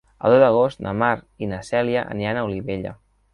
El deu d'agost na Mar i na Cèlia aniran a Olivella.